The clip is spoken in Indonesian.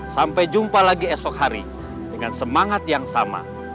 sampai jumpa lagi esok hari dengan semangat yang sama